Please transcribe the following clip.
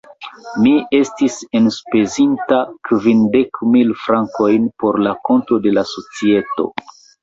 Mi estis enspezinta kvindek mil frankojn por la konto de la societo.